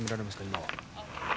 今は。